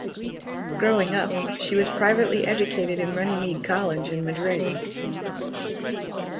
Growing up, she was privately educated at Runnymede College in Madrid.